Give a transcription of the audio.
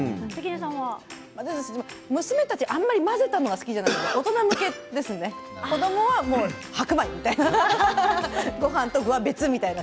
娘たちはあまり混ぜたのが好きでないので、大人向けですが子どもは白米、みたいなごはんと具は別、みたいな。